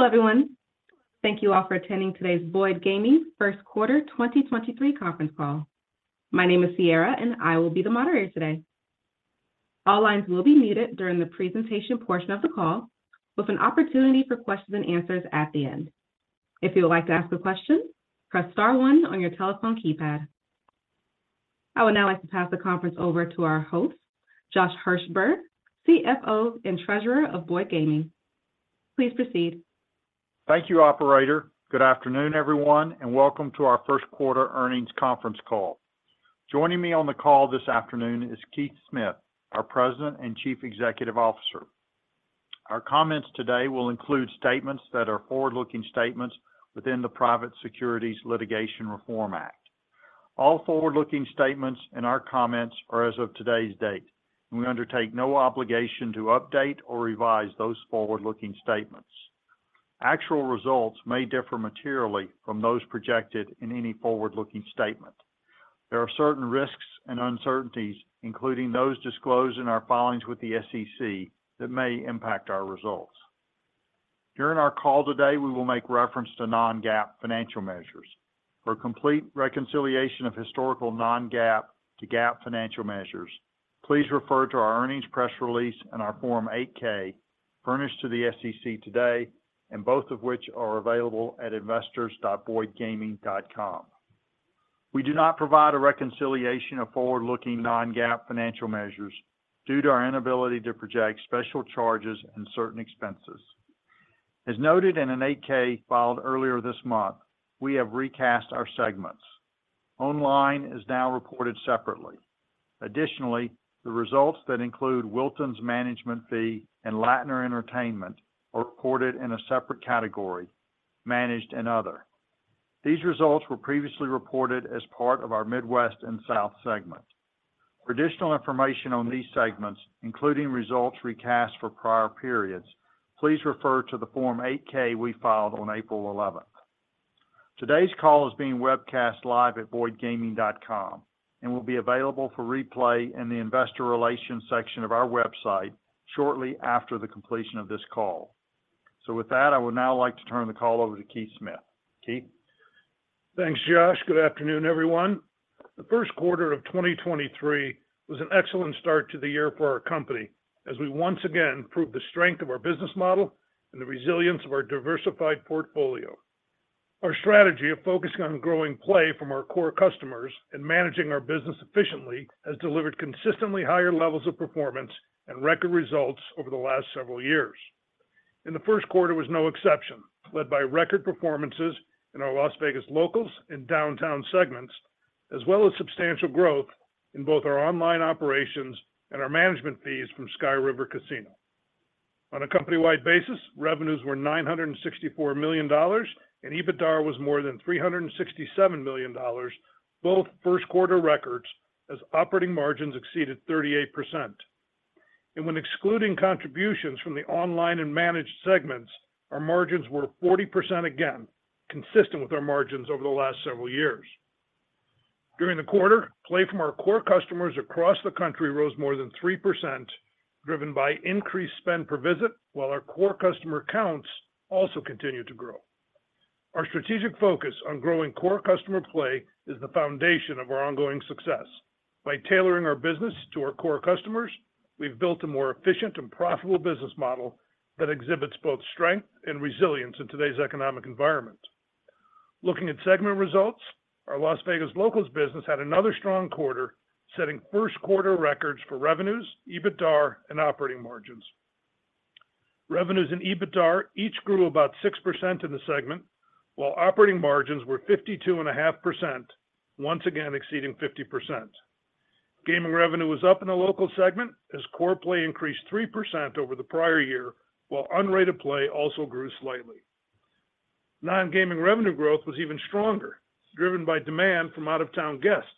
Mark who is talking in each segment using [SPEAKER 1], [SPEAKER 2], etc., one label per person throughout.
[SPEAKER 1] Hello, everyone. Thank you all for attending today's Boyd Gaming first quarter 2023 conference call. My name is Sierra, and I will be the moderator today. All lines will be muted during the presentation portion of the call, with an opportunity for questions and answers at the end. If you would like to ask a question, press star one on your telephone keypad. I would now like to pass the conference over to our host, Josh Hirsberg, CFO and Treasurer of Boyd Gaming. Please proceed.
[SPEAKER 2] Thank you, operator. Good afternoon, everyone, and welcome to our first quarter earnings conference call. Joining me on the call this afternoon is Keith Smith, our President and Chief Executive Officer. Our comments today will include statements that are forward-looking statements within the Private Securities Litigation Reform Act. All forward-looking statements in our comments are as of today's date, and we undertake no obligation to update or revise those forward-looking statements. Actual results may differ materially from those projected in any forward-looking statement. There are certain risks and uncertainties, including those disclosed in our filings with the SEC, that may impact our results. During our call today, we will make reference to non-GAAP financial measures. For a complete reconciliation of historical non-GAAP to GAAP financial measures, please refer to our earnings press release and our Form 8-K furnished to the SEC today, and both of which are available at investors.boydgaming.com. We do not provide a reconciliation of forward-looking non-GAAP financial measures due to our inability to project special charges and certain expenses. As noted in an 8-K filed earlier this month, we have recast our segments. Online is now reported separately. Additionally, the results that include Wilton's management fee and Lattner Entertainment are reported in a separate category, Managed and Other. These results were previously reported as part of our Midwest & South segment. For additional information on these segments, including results recast for prior periods, please refer to the Form 8-K we filed on April 11th. Today's call is being webcast live at boydgaming.com and will be available for replay in the investor relations section of our website shortly after the completion of this call. With that, I would now like to turn the call over to Keith Smith. Keith?
[SPEAKER 3] Thanks, Josh. Good afternoon, everyone. The first quarter of 2023 was an excellent start to the year for our company as we once again proved the strength of our business model and the resilience of our diversified portfolio. Our strategy of focusing on growing play from our core customers and managing our business efficiently has delivered consistently higher levels of performance and record results over the last several years, and the first quarter was no exception, led by record performances in our Las Vegas Locals and Downtown segments, as well as substantial growth in both our Online operations and our management fees from Sky River Casino. On a company-wide basis, revenues were $964 million, and EBITDA was more than $367 million, both first quarter records as operating margins exceeded 38%. When excluding contributions from the Online and Managed segments, our margins were 40% again, consistent with our margins over the last several years. During the quarter, play from our core customers across the country rose more than 3%, driven by increased spend per visit, while our core customer counts also continued to grow. Our strategic focus on growing core customer play is the foundation of our ongoing success. By tailoring our business to our core customers, we've built a more efficient and profitable business model that exhibits both strength and resilience in today's economic environment. Looking at segment results, our Las Vegas Locals business had another strong quarter, setting first quarter records for revenues, EBITDA and operating margins. Revenues and EBITDA each grew about 6% in the segment, while operating margins were 52.5%, once again exceeding 50%. Gaming revenue was up in the Las Vegas Locals segment as core play increased 3% over the prior year, while unrated play also grew slightly. Non-gaming revenue growth was even stronger, driven by demand from out-of-town guests.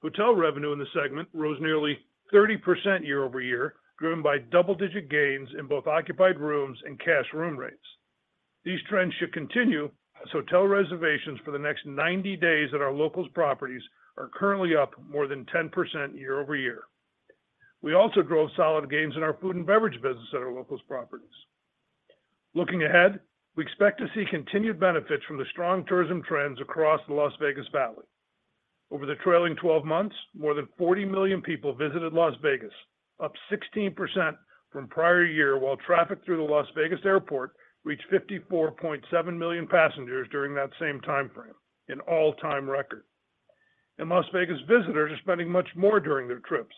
[SPEAKER 3] Hotel revenue in the segment rose nearly 30% year-over-year, driven by double-digit gains in both occupied rooms and cash room rates. These trends should continue as hotel reservations for the next 90 days at our Las Vegas Locals properties are currently up more than 10% year-over-year. We also drove solid gains in our food and beverage business at our Las Vegas Locals properties. Looking ahead, we expect to see continued benefits from the strong tourism trends across the Las Vegas Valley. Over the trailing 12 months, more than 40 million people visited Las Vegas, up 16% from prior year, while traffic through the Las Vegas Airport reached 54.7 million passengers during that same time frame, an all-time record. Las Vegas visitors are spending much more during their trips,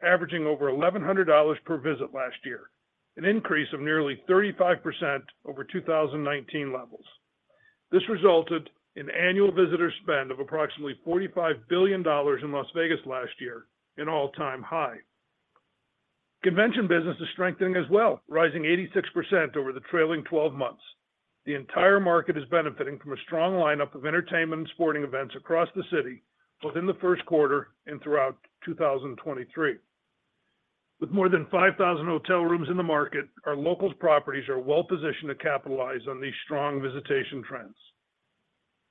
[SPEAKER 3] averaging over $1,100 per visit last year, an increase of nearly 35% over 2019 levels. This resulted in annual visitor spend of approximately $45 billion in Las Vegas last year, an all-time high. Convention business is strengthening as well, rising 86% over the trailing 12 months. The entire market is benefiting from a strong lineup of entertainment and sporting events across the city, both in the first quarter and throughout 2023. With more than 5,000 hotel rooms in the market, our Locals properties are well-positioned to capitalize on these strong visitation trends.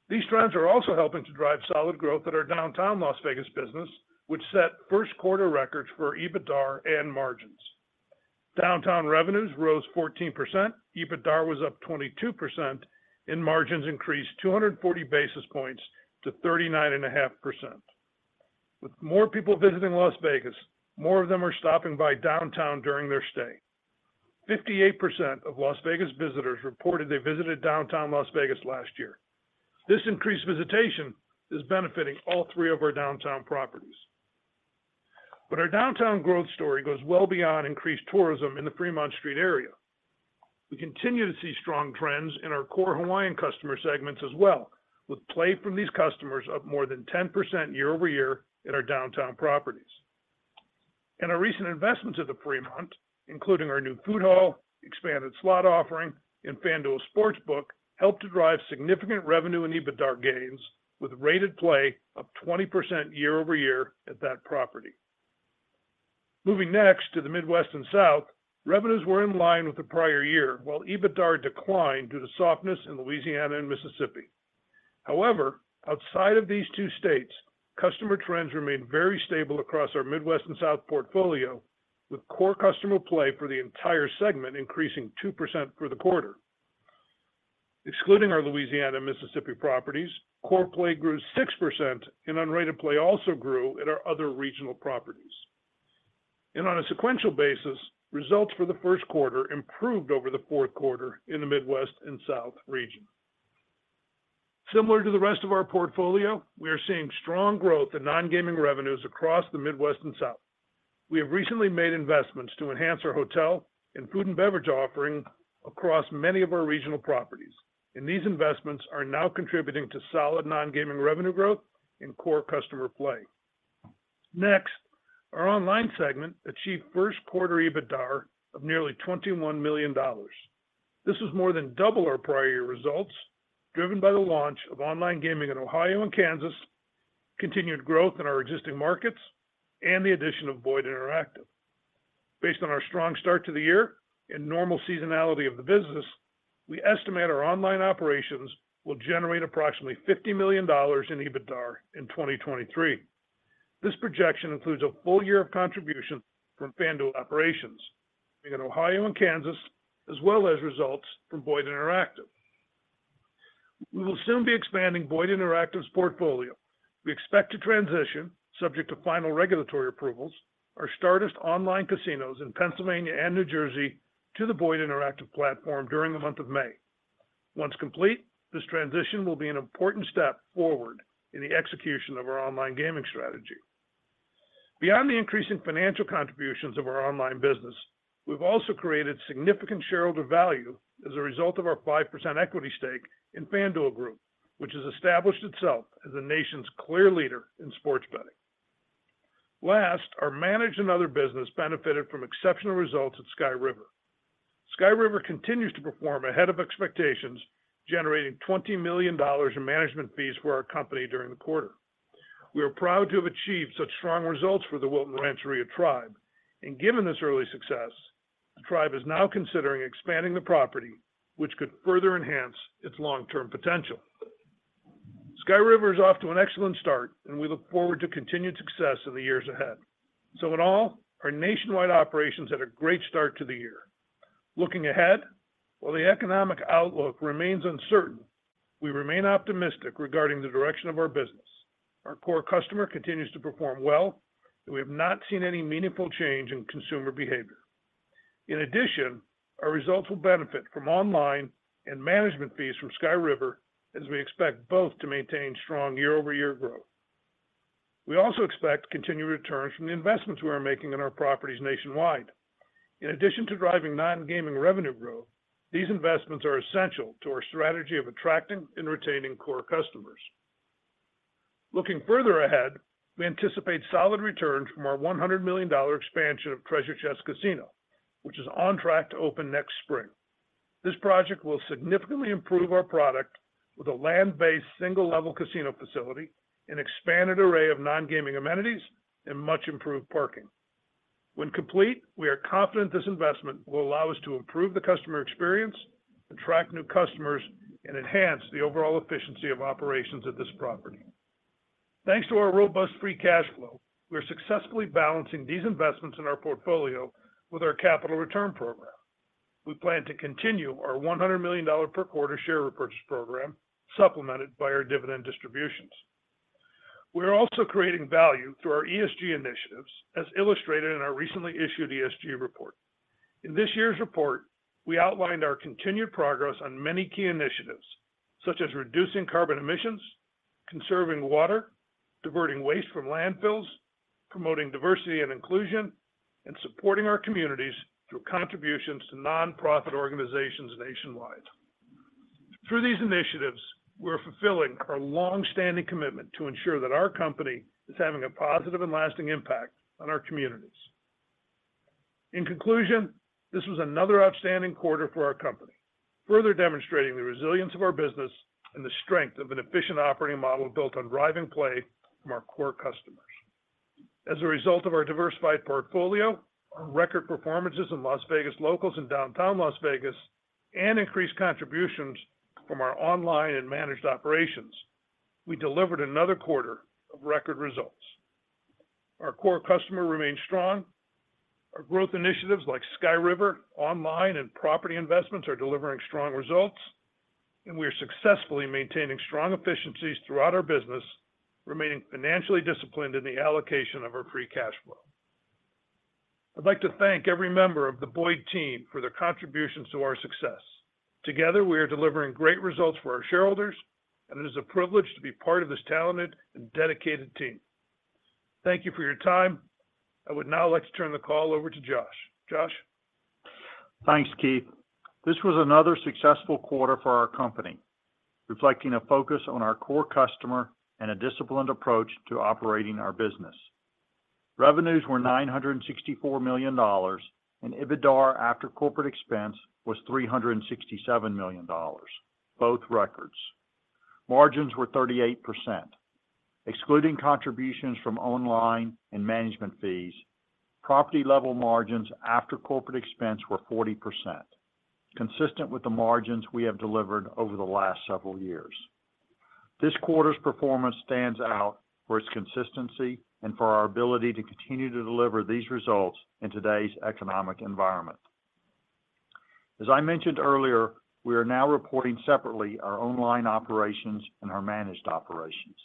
[SPEAKER 3] These trends are also helping to drive solid growth at our Downtown Las Vegas business, which set first quarter records for EBITDAR and margins. Downtown revenues rose 14%, EBITDAR was up 22%, and margins increased 240 basis points to 39.5%. With more people visiting Las Vegas, more of them are stopping by Downtown during their stay. 58% of Las Vegas visitors reported they visited Downtown Las Vegas last year. This increased visitation is benefiting all three of our Downtown properties. Our Downtown growth story goes well beyond increased tourism in the Fremont Street area. We continue to see strong trends in our core Hawaiian customer segments as well, with play from these customers up more than 10% year-over-year in our Downtown properties. Our recent investments at the Fremont, including our new food hall, expanded slot offering, and FanDuel Sportsbook, helped to drive significant revenue and EBITDAR gains, with rated play up 20% year-over-year at that property. Moving next to the Midwest & South, revenues were in line with the prior year, while EBITDAR declined due to softness in Louisiana and Mississippi. Outside of these two states, customer trends remained very stable across our Midwest & South portfolio, with core customer play for the entire segment increasing 2% for the quarter. Excluding our Louisiana and Mississippi properties, core play grew 6% and unrated play also grew at our other regional properties. On a sequential basis, results for the first quarter improved over the fourth quarter in the Midwest and South region. Similar to the rest of our portfolio, we are seeing strong growth in non-gaming revenues across the Midwest & South. We have recently made investments to enhance our hotel and food and beverage offering across many of our regional properties, and these investments are now contributing to solid non-gaming revenue growth in core customer play. Our Online segment achieved first quarter EBITDAR of nearly $21 million. This was more than double our prior year results, driven by the launch of online gaming in Ohio and Kansas, continued growth in our existing markets, and the addition of Boyd Interactive. Based on our strong start to the year and normal seasonality of the business, we estimate our Online operations will generate approximately $50 million in EBITDAR in 2023. This projection includes a full year of contribution from FanDuel operations in Ohio and Kansas, as well as results from Boyd Interactive. We will soon be expanding Boyd Interactive's portfolio. We expect to transition, subject to final regulatory approvals, our Stardust online casinos in Pennsylvania and New Jersey to the Boyd Interactive platform during the month of May. Once complete, this transition will be an important step forward in the execution of our online gaming strategy. Beyond the increasing financial contributions of our Online business, we've also created significant shareholder value as a result of our 5% equity stake in FanDuel Group, which has established itself as the nation's clear leader in sports betting. Our Managed and Other business benefited from exceptional results at Sky River. Sky River continues to perform ahead of expectations, generating $20 million in management fees for our company during the quarter. We are proud to have achieved such strong results for the Wilton Rancheria tribe. Given this early success, the tribe is now considering expanding the property, which could further enhance its long-term potential. Sky River is off to an excellent start, and we look forward to continued success in the years ahead. In all, our nationwide operations had a great start to the year. Looking ahead, while the economic outlook remains uncertain, we remain optimistic regarding the direction of our business. Our core customer continues to perform well, and we have not seen any meaningful change in consumer behavior. In addition, our results will benefit from online and management fees from Sky River, as we expect both to maintain strong year-over-year growth. We also expect continued returns from the investments we are making in our properties nationwide. In addition to driving non-gaming revenue growth, these investments are essential to our strategy of attracting and retaining core customers. Looking further ahead, we anticipate solid returns from our $100 million expansion of Treasure Chest Casino, which is on track to open next spring. This project will significantly improve our product with a land-based, single-level casino facility, an expanded array of non-gaming amenities, and much improved parking. When complete, we are confident this investment will allow us to improve the customer experience, attract new customers, and enhance the overall efficiency of operations at this property. Thanks to our robust free cash flow, we are successfully balancing these investments in our portfolio with our capital return program. We plan to continue our $100 million per quarter share repurchase program, supplemented by our dividend distributions. We are also creating value through our ESG initiatives, as illustrated in our recently issued ESG report. In this year's report, we outlined our continued progress on many key initiatives, such as reducing carbon emissions, conserving water, diverting waste from landfills, promoting diversity and inclusion, and supporting our communities through contributions to nonprofit organizations nationwide. Through these initiatives, we're fulfilling our long-standing commitment to ensure that our company is having a positive and lasting impact on our communities. In conclusion, this was another outstanding quarter for our company, further demonstrating the resilience of our business and the strength of an efficient operating model built on driving play from our core customers. As a result of our diversified portfolio, our record performances in Las Vegas Locals and Downtown Las Vegas, and increased contributions from our Online and Managed operations, we delivered another quarter of record results. Our core customer remains strong. Our growth initiatives like Sky River, Online, and property investments are delivering strong results, and we are successfully maintaining strong efficiencies throughout our business, remaining financially disciplined in the allocation of our free cash flow. I'd like to thank every member of the Boyd team for their contributions to our success. Together, we are delivering great results for our shareholders, and it is a privilege to be part of this talented and dedicated team. Thank you for your time. I would now like to turn the call over to Josh. Josh?
[SPEAKER 2] Thanks, Keith. This was another successful quarter for our company, reflecting a focus on our core customer and a disciplined approach to operating our business. Revenues were $964 million, and EBITDA after corporate expense was $367 million, both records. Margins were 38%. Excluding contributions from online and management fees, property-level margins after corporate expense were 40%, consistent with the margins we have delivered over the last several years. This quarter's performance stands out for its consistency and for our ability to continue to deliver these results in today's economic environment. As I mentioned earlier, we are now reporting separately our Online operations and our Managed operations.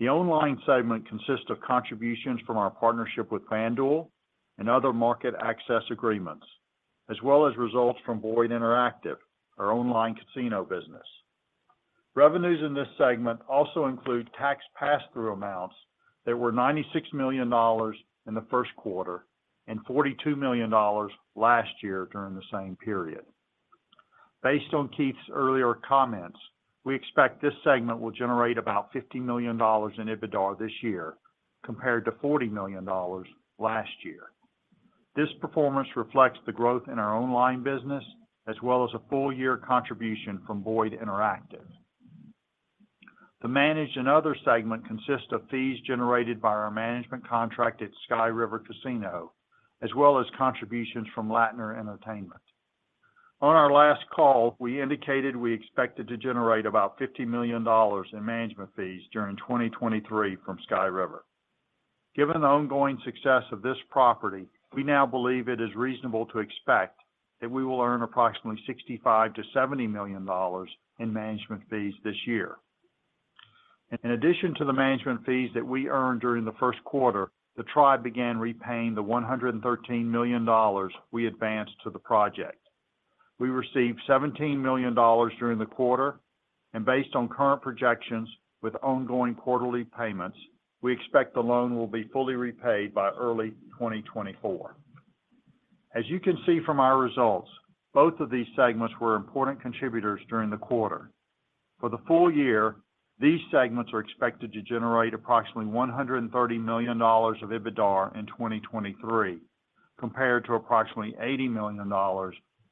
[SPEAKER 2] The Online segment consists of contributions from our partnership with FanDuel and other market access agreements, as well as results from Boyd Interactive, our online casino business. Revenues in this segment also include tax pass-through amounts that were $96 million in the first quarter and $42 million last year during the same period. Based on Keith's earlier comments, we expect this segment will generate about $50 million in EBITDA this year compared to $40 million last year. This performance reflects the growth in our Online business as well as a full-year contribution from Boyd Interactive. The Managed and Other segment consists of fees generated by our management contract at Sky River Casino, as well as contributions from Lattner Entertainment. On our last call, we indicated we expected to generate about $50 million in management fees during 2023 from Sky River. Given the ongoing success of this property, we now believe it is reasonable to expect that we will earn approximately $65 million-$70 million in management fees this year. In addition to the management fees that we earned during the first quarter, the tribe began repaying the $113 million we advanced to the project. We received $17 million during the quarter, and based on current projections with ongoing quarterly payments, we expect the loan will be fully repaid by early 2024. As you can see from our results, both of these segments were important contributors during the quarter. For the full year, these segments are expected to generate approximately $130 million of EBITDA in 2023, compared to approximately $80 million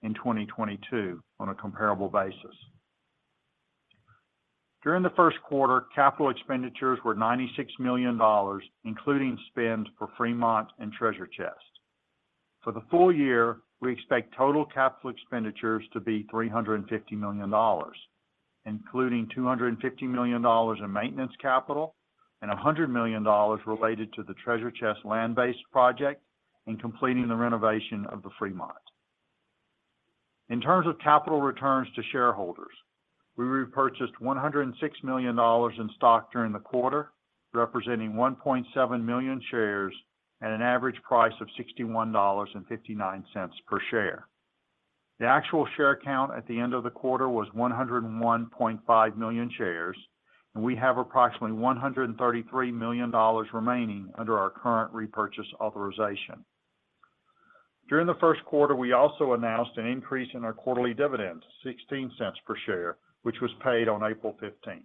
[SPEAKER 2] in 2022 on a comparable basis. During the first quarter, capital expenditures were $96 million, including spend for Fremont and Treasure Chest. For the full year, we expect total capital expenditures to be $350 million, including $250 million in maintenance capital and $100 million related to the Treasure Chest land-based project and completing the renovation of the Fremont. In terms of capital returns to shareholders, we repurchased $106 million in stock during the quarter, representing 1.7 million shares at an average price of $61.59 per share. The actual share count at the end of the quarter was 101.5 million shares, we have approximately $133 million remaining under our current repurchase authorization. During the first quarter, we also announced an increase in our quarterly dividend, $0.16 per share, which was paid on April 15th.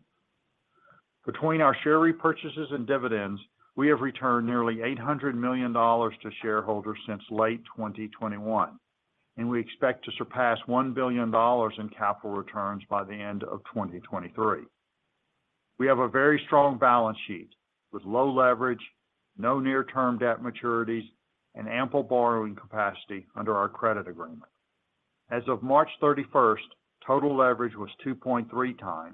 [SPEAKER 2] Between our share repurchases and dividends, we have returned nearly $800 million to shareholders since late 2021. We expect to surpass $1 billion in capital returns by the end of 2023. We have a very strong balance sheet with low leverage, no near-term debt maturities, and ample borrowing capacity under our credit agreement. As of March 31st, total leverage was 2.3x.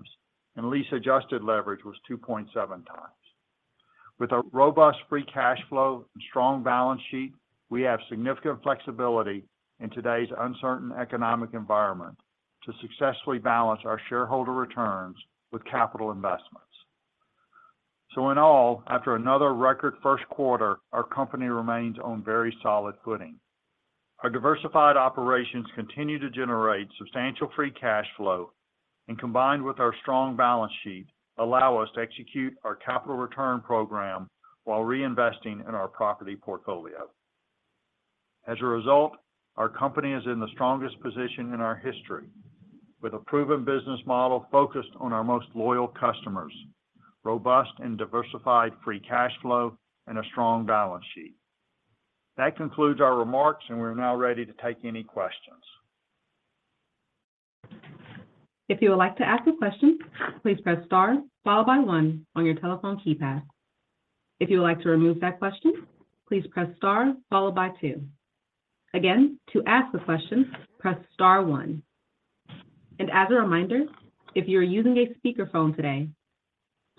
[SPEAKER 2] Lease-adjusted leverage was 2.7x. With a robust free cash flow and strong balance sheet, we have significant flexibility in today's uncertain economic environment to successfully balance our shareholder returns with capital investments. In all, after another record first quarter, our company remains on very solid footing. Our diversified operations continue to generate substantial free cash flow and, combined with our strong balance sheet, allow us to execute our capital return program while reinvesting in our property portfolio. As a result, our company is in the strongest position in our history with a proven business model focused on our most loyal customers, robust and diversified free cash flow, and a strong balance sheet. That concludes our remarks, and we're now ready to take any questions.
[SPEAKER 1] If you would like to ask a question, please press star followed by one on your telephone keypad. If you would like to remove that question, please press star followed by two. Again, to ask the question, press star one. As a reminder, if you are using a speakerphone today,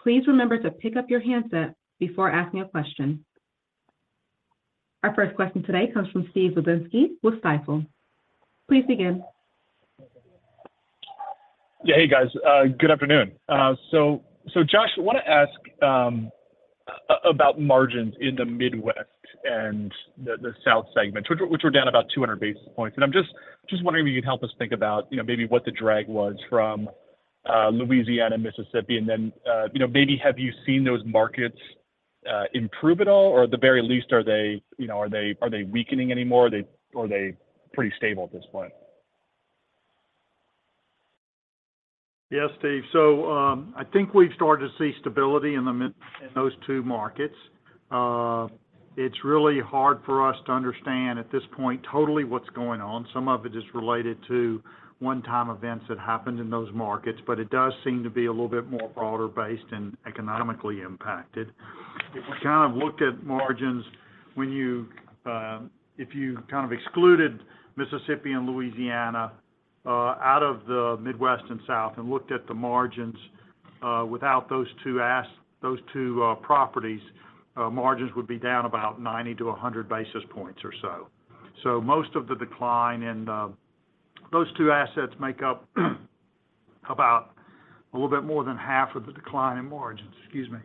[SPEAKER 1] please remember to pick up your handset before asking a question. Our first question today comes from Steven Wieczynski with Stifel. Please begin.
[SPEAKER 4] Yeah. Hey, guys. Good afternoon. Josh, I want to ask about margins in the Midwest & South segment, which were down about 200 basis points. I'm just wondering if you can help us think about, you know, maybe what the drag was from Louisiana, Mississippi, then, you know, maybe have you seen those markets improve at all? At the very least, are they, you know, weakening any more, or are they pretty stable at this point?
[SPEAKER 2] Yes, Steve. I think we've started to see stability in those two markets. It's really hard for us to understand at this point totally what's going on. Some of it is related to one-time events that happened in those markets, but it does seem to be a little bit more broader based and economically impacted. If you kind of look at margins when you, if you kind of excluded Mississippi and Louisiana out of the Midwest & South and looked at the margins, without those two properties, margins would be down about 90-100 basis points or so. Most of the decline in those two assets make up about a little bit more than half of the decline in margins. Excuse me.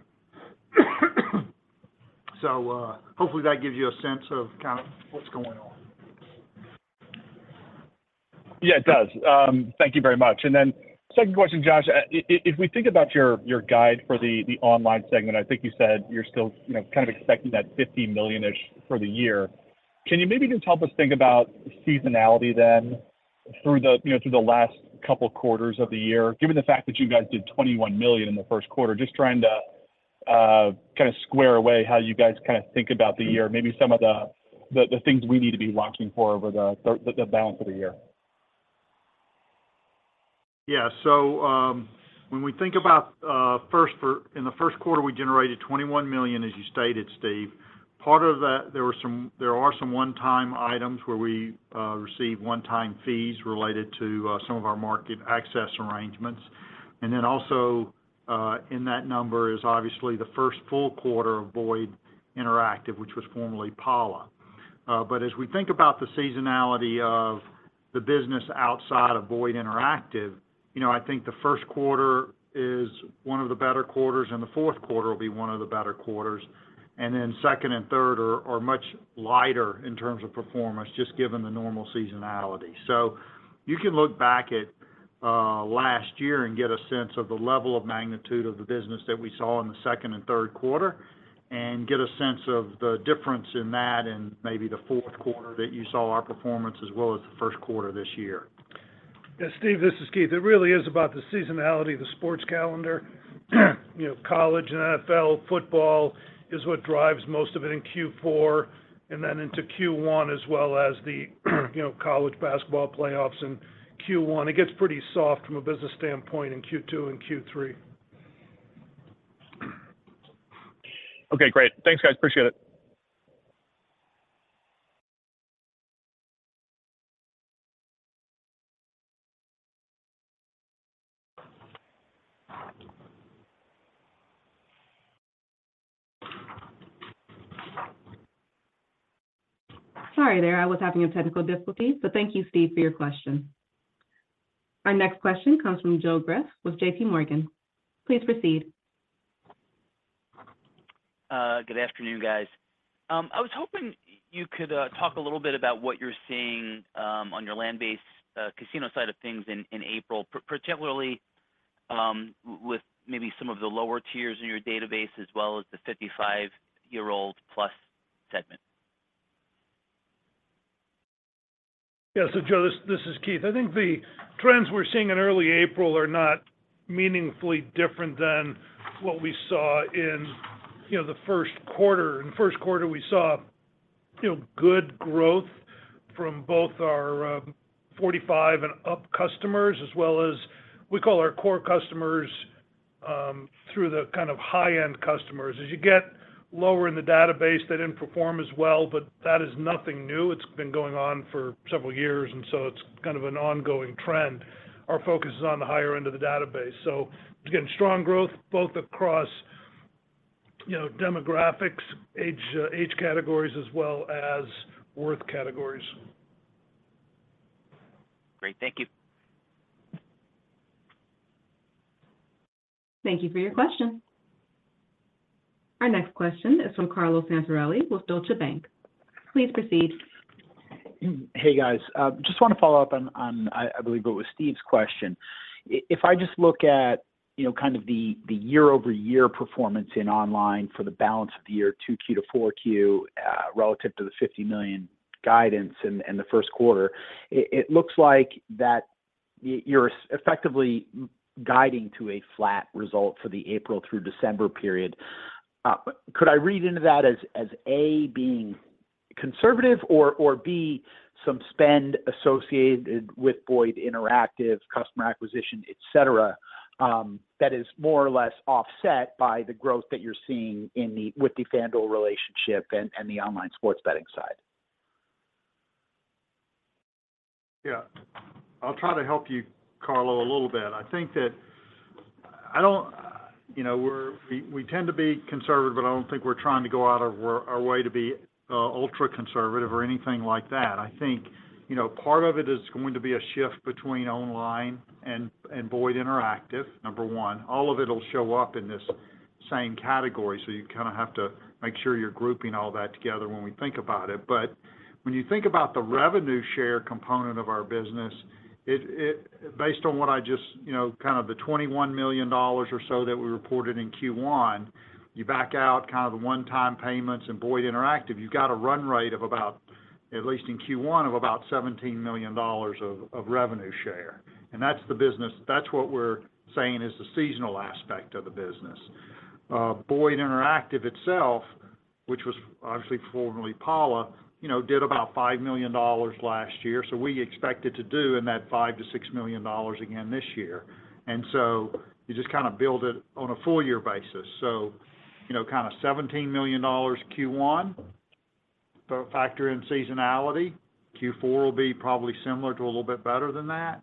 [SPEAKER 2] hopefully that gives you a sense of kind of what's going on.
[SPEAKER 4] Yeah, it does. Thank you very much. Second question, Josh. If we think about your guide for the Online segment, I think you said you're still, you know, kind of expecting that $50 million-ish for the year. Can you maybe just help us think about seasonality then through the, you know, through the last couple quarters of the year, given the fact that you guys did $21 million in the first quarter? Just trying to, kind of square away how you guys kind kind of think about the year, maybe some of the things we need to be watching for over the balance of the year?
[SPEAKER 2] Yeah. When we think about, in the first quarter, we generated $21 million, as you stated, Steve. Part of that, there were some, there are some one-time items where we received one-time fees related to some of our market access arrangements. Also, in that number is obviously the first full quarter of Boyd Interactive, which was formerly Pala. But as we think about the seasonality of the business outside of Boyd Interactive, you know, I think the first quarter is one of the better quarters, and the fourth quarter will be one of the better quarters. Second and third are much lighter in terms of performance, just given the normal seasonality. You can look back at last year and get a sense of the level of magnitude of the business that we saw in the second and third quarter and get a sense of the difference in that and maybe the fourth quarter that you saw our performance as well as the first quarter this year.
[SPEAKER 3] Yeah. Steve, this is Keith. It really is about the seasonality of the sports calendar. You know, college and NFL football is what drives most of it in Q4 and then into Q1, as well as the, you know, college basketball playoffs in Q1. It gets pretty soft from a business standpoint in Q2 and Q3.
[SPEAKER 4] Okay, great. Thanks, guys. Appreciate it.
[SPEAKER 1] Sorry there. I was having a technical difficulty, but thank you Steve for your question. Our next question comes from Joe Greff with JPMorgan. Please proceed.
[SPEAKER 5] Good afternoon, guys. I was hoping you could talk a little bit about what you're seeing on your land-based casino side of things in April, particularly, with maybe some of the lower tiers in your database as well as the 55-year-old plus segment?
[SPEAKER 3] Yeah. Joe, this is Keith. I think the trends we're seeing in early April are not meaningfully different than what we saw in, you know, the first quarter. In the first quarter, we saw, you know, good growth from both our 45 and up customers as well as we call our core customers through the kind of high-end customers. As you get lower in the database, they didn't perform as well, but that is nothing new. It's been going on for several years, it's kind of an ongoing trend. Our focus is on the higher end of the database. Again, strong growth both across, you know, demographics, age categories, as well as worth categories.
[SPEAKER 5] Great. Thank you.
[SPEAKER 1] Thank you for your question. Our next question is from Carlo Santarelli with Deutsche Bank. Please proceed.
[SPEAKER 6] Hey, guys. just want to follow up on I believe it was Steve's question. If I just look at, you know, kind of the year-over-year performance in Online for the balance of the year 2Q to 4Q, relative to the $50 million guidance in the first quarter, it looks like that you're effectively guiding to a flat result for the April through December period. Could I read into that as A, being conservative, or B, some spend associated with Boyd Interactive customer acquisition, et cetera, that is more or less offset by the growth that you're seeing with the FanDuel relationship and the online sports betting side?
[SPEAKER 2] Yeah. I'll try to help you, Carlo, a little bit. I think that I don't. You know, we tend to be conservative, but I don't think we're trying to go out of our way to be ultra-conservative or anything like that. I think, you know, part of it is going to be a shift between Online and Boyd Interactive, number one. All of it'll show up in this same category, so you kinda have to make sure you're grouping all that together when we think about it. When you think about the revenue share component of our business, it Based on what I just, you know, kind of the $21 million or so that we reported in Q1, you back out kind of the one-time payments in Boyd Interactive, you've got a run rate of about, at least in Q1, of about $17 million of revenue share. That's what we're saying is the seasonal aspect of the business. Boyd Interactive itself, which was obviously formerly Pala, you know, did about $5 million last year. We expect it to do in that $5 million-$6 million again this year. You just kind of build it on a full year basis. You know, kind of $17 million Q1, but factor in seasonality, Q4 will be probably similar to a little bit better than that.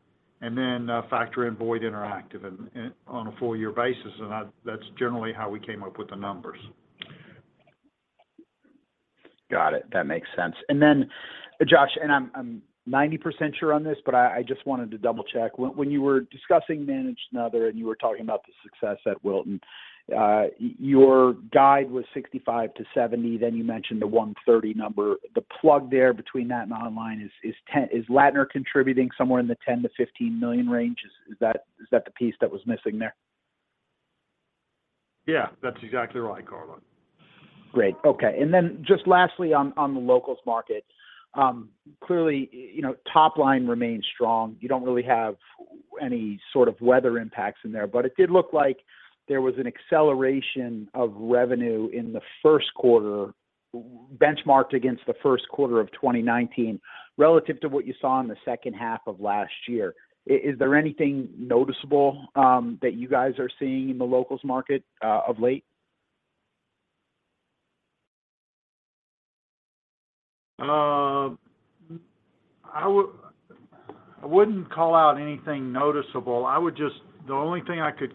[SPEAKER 2] Factor in Boyd Interactive on a full year basis. That's generally how we came up with the numbers.
[SPEAKER 6] Got it. That makes sense. Josh, I'm 90% sure on this, but I just wanted to double-check. When you were discussing Managed and Other, and you were talking about the success at Wilton, your guide was $65 million-$70 million, then you mentioned the $130 million number. The plug there between that and Online is $10 million. Is Lattner contributing somewhere in the $10 million-$15 million range? Is that the piece that was missing there?
[SPEAKER 2] Yeah, that's exactly right, Carlo.
[SPEAKER 6] Just lastly on the Locals Market. Clearly, you know, top line remains strong. You don't really have any sort of weather impacts in there. It did look like there was an acceleration of revenue in the first quarter benchmarked against the first quarter of 2019 relative to what you saw in the second half of last year. Is there anything noticeable that you guys are seeing in the Locals Market of late?
[SPEAKER 2] I wouldn't call out anything noticeable. The only thing I could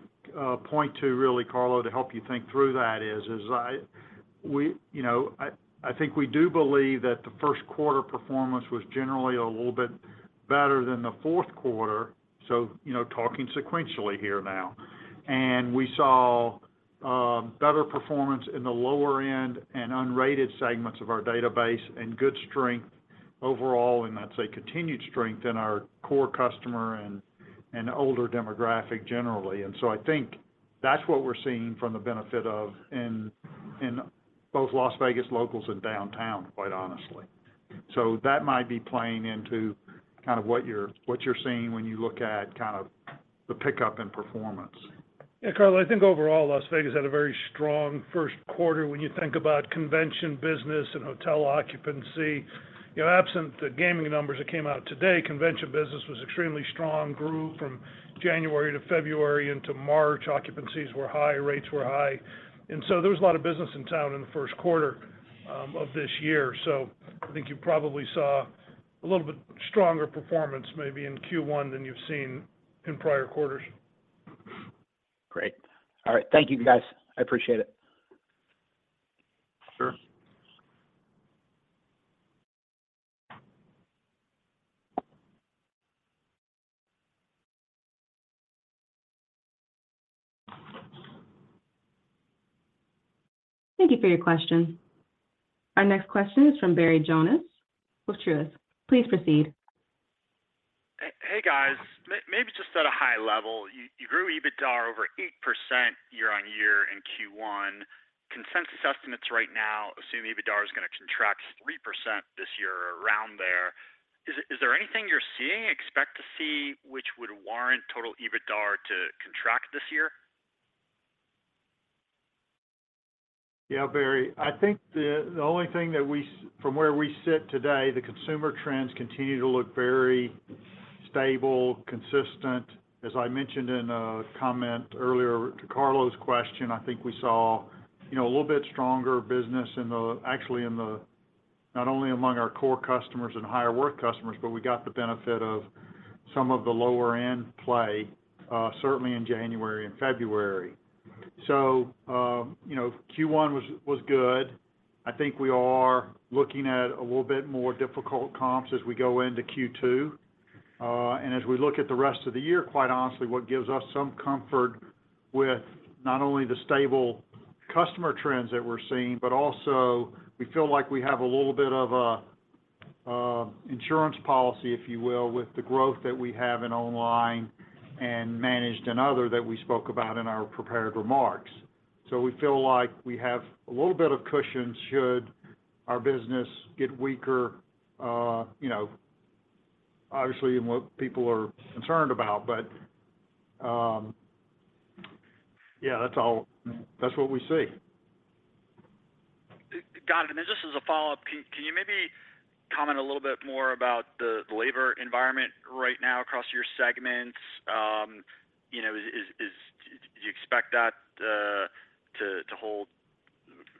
[SPEAKER 2] point to really, Carlo, to help you think through that is, I think we do believe that the first quarter performance was generally a little bit better than the fourth quarter, so, talking sequentially here now. We saw better performance in the lower end and unrated segments of our database, and good strength overall, and I'd say continued strength in our core customer and older demographic generally. I think that's what we're seeing from the benefit of in both Las Vegas Locals and Downtown, quite honestly. That might be playing into kind of what you're, what you're seeing when you look at kind of the pickup in performance.
[SPEAKER 3] Carlo, I think overall, Las Vegas had a very strong first quarter when you think about convention business and hotel occupancy. You know, absent the gaming numbers that came out today, convention business was extremely strong, grew from January to February into March. Occupancies were high, rates were high, there was a lot of business in town in the first quarter of this year. I think you probably saw a little bit stronger performance maybe in Q1 than you've seen in prior quarters.
[SPEAKER 6] Great. All right. Thank you, guys. I appreciate it.
[SPEAKER 2] Sure.
[SPEAKER 1] Thank you for your question. Our next question is from Barry Jonas with Truist. Please proceed.
[SPEAKER 7] Hey, guys. Maybe just at a high level, you grew EBITDA over 8% year-on-year in Q1. Consensus estimates right now assume EBITDA is gonna contract 3% this year or around there. Is there anything you're seeing, expect to see, which would warrant total EBITDA to contract this year?
[SPEAKER 2] Barry. I think the only thing that from where we sit today, the consumer trends continue to look very stable, consistent. As I mentioned in a comment earlier to Carlo's question, I think we saw, you know, a little bit stronger business actually not only among our core customers and higher worth customers, but we got the benefit of some of the lower-end play certainly in January and February. Q1 was good. I think we are looking at a little bit more difficult comps as we go into Q2. As we look at the rest of the year, quite honestly, what gives us some comfort with not only the stable customer trends that we're seeing, but also we feel like we have a little bit of a insurance policy, if you will, with the growth that we have in Online and Managed and Other that we spoke about in our prepared remarks. We feel like we have a little bit of cushion should our business get weaker, you know, obviously in what people are concerned about. Yeah, that's all. That's what we see.
[SPEAKER 7] Got it. Just as a follow-up, can you maybe comment a little bit more about the labor environment right now across your segments? You know, do you expect that to hold,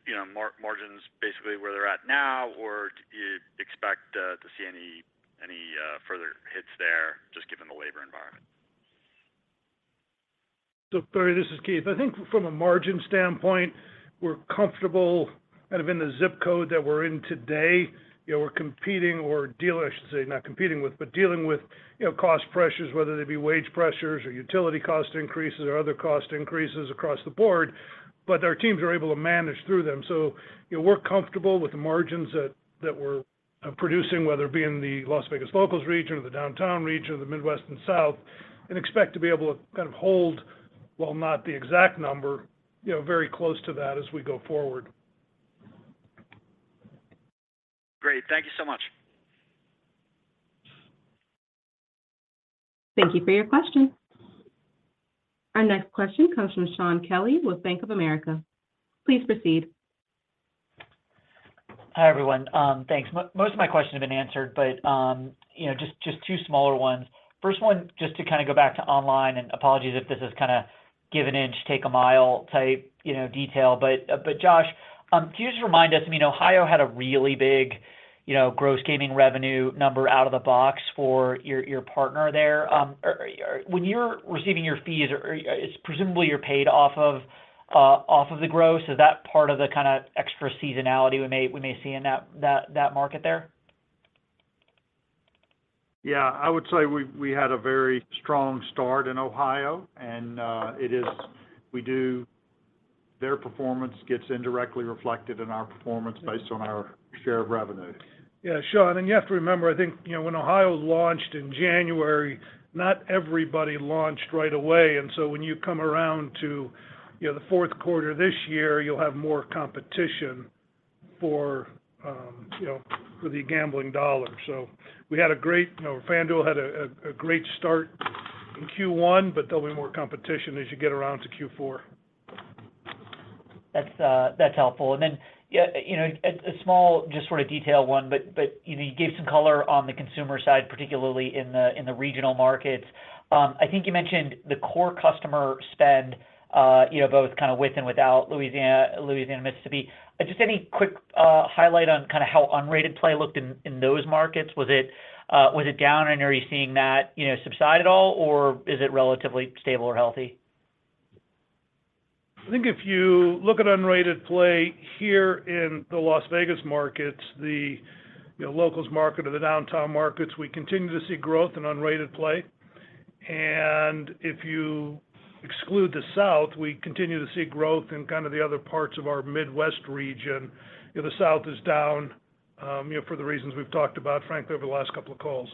[SPEAKER 7] you know, margins basically where they're at now, or do you expect to see any further hits there just given the labor environment?
[SPEAKER 3] Barry, this is Keith. I think from a margin standpoint, we're comfortable kind of in the ZIP code that we're in today. We're competing, not competing with, but dealing with, you know, cost pressures, whether they be wage pressures or utility cost increases or other cost increases across the board, but our teams are able to manage through them. You know, we're comfortable with the margins that we're producing, whether it be in the Las Vegas Locals region or the Downtown region or the Midwest & South, and expect to be able to kind of hold, while not the exact number, you know, very close to that as we go forward.
[SPEAKER 7] Great. Thank you so much.
[SPEAKER 1] Thank you for your question. Our next question comes from Shaun Kelley with Bank of America. Please proceed.
[SPEAKER 8] Hi, everyone. Thanks. You know, just two smaller ones. First one, just to kind of go back to Online, apologies if this is kinda give an inch, take a mile type, you know, detail, but Josh, can you just remind us, I mean, Ohio had a really big, you know, gross gaming revenue number out of the box for your partner there, or when you're receiving your fees, or it's presumably you're paid off of off of the gross? Is that part of the kinda extra seasonality we may see in that market there?
[SPEAKER 2] Yeah. I would say we had a very strong start in Ohio, and their performance gets indirectly reflected in our performance based on our share of revenue.
[SPEAKER 3] Yeah, Shaun. You have to remember, I think, you know, when Ohio launched in January, not everybody launched right away. When you come around to, you know, the fourth quarter this year, you'll have more competition for, you know, for the gambling dollar. We had a great, you know, FanDuel had a great start in Q1, there'll be more competition as you get around to Q4.
[SPEAKER 8] That's helpful. Yeah, you know, a small just sort of detail one, but, you know, you gave some color on the consumer side, particularly in the regional markets. I think you mentioned the core customer spend, you know, both kind of with and without Louisiana and Mississippi. Just any quick highlight on kind of how unrated play looked in those markets? Was it down, and are you seeing that, you know, subside at all, or is it relatively stable or healthy?
[SPEAKER 3] I think if you look at unrated play here in the Las Vegas markets, the, you know, Locals market or the Downtown markets, we continue to see growth in unrated play. If you exclude the South, we continue to see growth in kind of the other parts of our Midwest region. You know, the South is down, you know, for the reasons we've talked about, frankly, over the last couple of calls.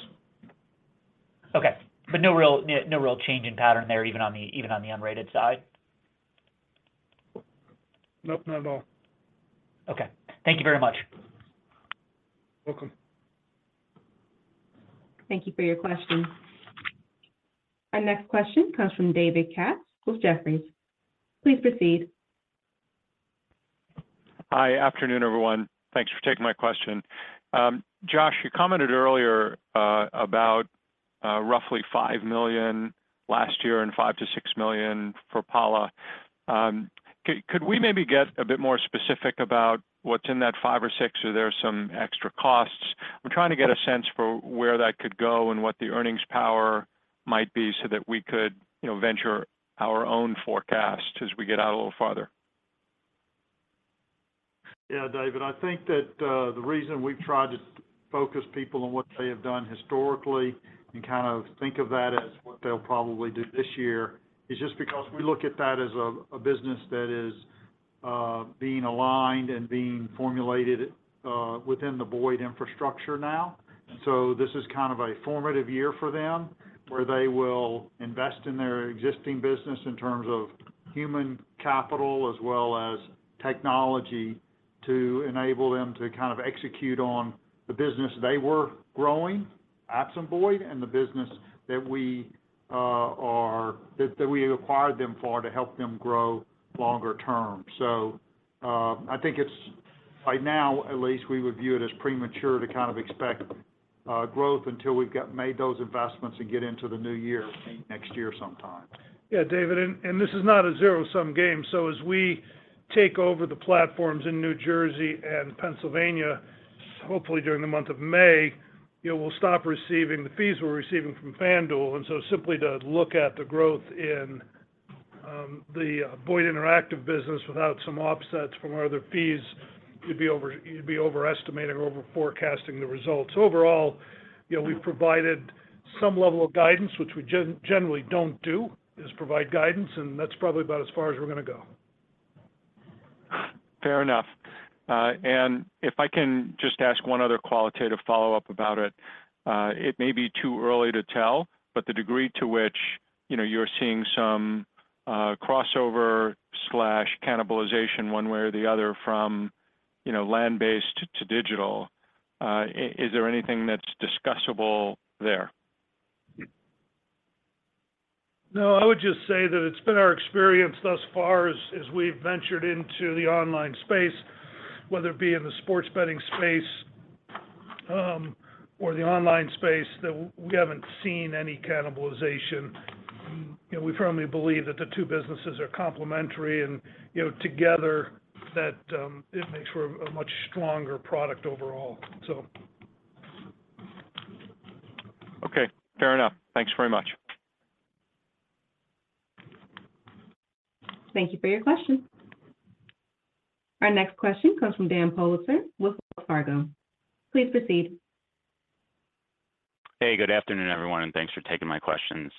[SPEAKER 8] Okay. No real change in pattern there, even on the unrated side?
[SPEAKER 3] Nope, not at all.
[SPEAKER 8] Okay. Thank you very much.
[SPEAKER 3] Welcome.
[SPEAKER 1] Thank you for your question. Our next question comes from David Katz with Jefferies. Please proceed.
[SPEAKER 9] Hi. Afternoon, everyone. Thanks for taking my question. Josh, you commented earlier, about roughly $5 million last year and $5 million-$6 million for Pala. Could we maybe get a bit more specific about what's in that $5 million or $6 million? Are there some extra costs? I'm trying to get a sense for where that could go and what the earnings power might be so that we could, you know, venture our own forecast as we get out a little farther.
[SPEAKER 2] Yeah, David. I think that the reason we've tried to focus people on what they have done historically and kind of think of that as what they'll probably do this year is just because we look at that as a business that is being aligned and being formulated within the Boyd infrastructure now. This is kind of a formative year for them, where they will invest in their existing business in terms of human capital as well as technology to enable them to kind of execute on the business they were growing at some Boyd and the business that we acquired them for to help them grow longer term. I think it's, right now at least, we would view it as premature to kind of expect growth until we've made those investments and get into the new year, next year sometime.
[SPEAKER 3] Yeah, David, and this is not a zero-sum game. As we take over the platforms in New Jersey and Pennsylvania, hopefully during the month of May, you know, we'll stop receiving the fees we're receiving from FanDuel. Simply to look at the growth in the Boyd Interactive business without some offsets from our other fees, you'd be overestimating or overforecasting the results. Overall, you know, we've provided some level of guidance, which we generally don't do, is provide guidance, and that's probably about as far as we're gonna go.
[SPEAKER 9] Fair enough. If I can just ask one other qualitative follow-up about it. It may be too early to tell, but the degree to which, you know, you're seeing some crossover/cannibalization one way or the other from, you know, land-based to digital, is there anything that's discussable there?
[SPEAKER 3] No, I would just say that it's been our experience thus far as we've ventured into the online space, whether it be in the sports betting space, or the online space, that we haven't seen any cannibalization. You know, we firmly believe that the two businesses are complementary and, you know, together that, it makes for a much stronger product overall, so.
[SPEAKER 2] Okay. Fair enough. Thanks very much.
[SPEAKER 1] Thank you for your question. Our next question comes from Dan Politzer with Wells Fargo. Please proceed.
[SPEAKER 10] Good afternoon, everyone, and thanks for taking my questions.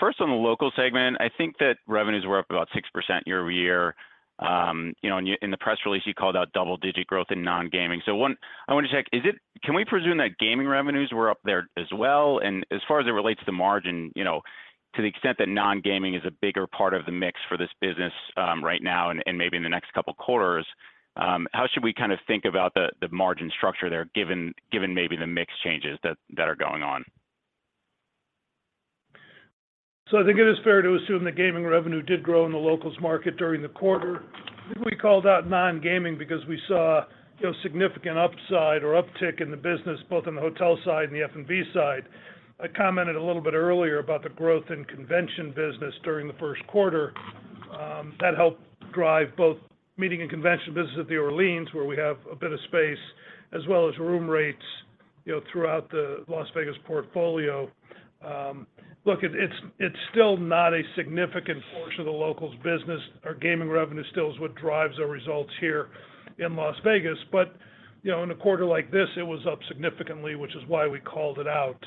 [SPEAKER 10] First on the locals segment, I think that revenues were up about 6% year-over-year. You know, in the press release, you called out double-digit growth in non-gaming. I wanted to check, can we presume that gaming revenues were up there as well? As far as it relates to margin, you know, to the extent that non-gaming is a bigger part of the mix for this business, right now and maybe in the next couple quarters, how should we kind of think about the margin structure there, given maybe the mix changes that are going on?
[SPEAKER 3] I think it is fair to assume that gaming revenue did grow in the locals market during the quarter. I think we called out non-gaming because we saw, you know, significant upside or uptick in the business, both on the hotel side and the F&B side. I commented a little bit earlier about the growth in convention business during the first quarter. That helped drive both meeting and convention business at The Orleans, where we have a bit of space, as well as room rates, you know, throughout the Las Vegas portfolio. Look, it's still not a significant portion of the locals business. Our gaming revenue still is what drives our results here in Las Vegas. You know, in a quarter like this, it was up significantly, which is why we called it out.